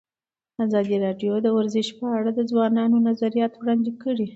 ازادي راډیو د ورزش په اړه د ځوانانو نظریات وړاندې کړي.